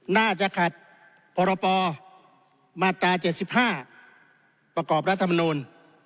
น่าจะขัดพรปมาตรา๗๕ประกอบรัฐมนูล